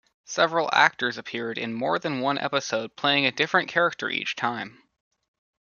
Several actors appeared in more than one episode playing a different character each time.